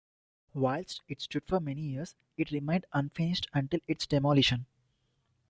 Whilst it stood for many years, it remained unfinished until its demolition.